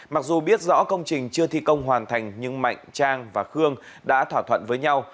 mặc dù biết rõ công trình chưa thi công hoàn thành nhưng mạnh trang và khương đã thỏa thuận với nhau